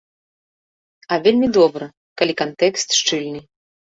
А вельмі добра, калі кантэкст шчыльны.